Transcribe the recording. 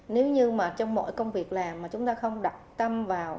nếu như mà trong mọi công việc làm mà chúng ta không đặt tâm vào